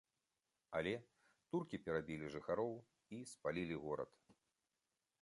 Але туркі перабілі жыхароў і спалілі горад.